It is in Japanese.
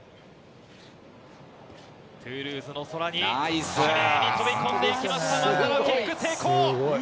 トゥールーズの空にきれいに飛び込んでいきました、松田のキック、成功。